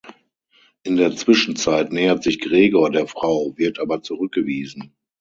In der Zwischenzeit nähert sich Gregor der Frau, wird aber zurückgewiesen.